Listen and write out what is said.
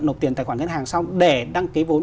nộp tiền tài khoản ngân hàng xong để đăng ký vốn